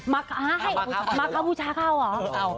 มาคับูชาเข้าเหรอ